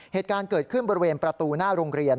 เหตุการณ์เกิดขึ้นบริเวณประตูหน้าโรงเรียน